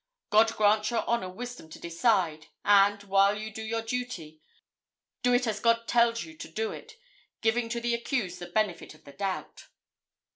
God grant Your Honor wisdom to decide, and, while you do your duty, do it as God tells you to do it, giving to the accused the benefit of the doubt."